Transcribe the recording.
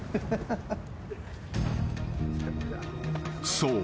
［そう。